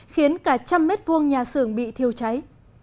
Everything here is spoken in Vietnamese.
khiến cả trăm mét vuông nhà xưởng bị thiêu cháy